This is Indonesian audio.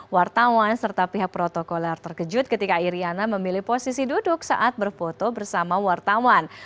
wartawan serta pihak protokoler terkejut ketika iryana memilih posisi duduk saat berfoto bersama wartawan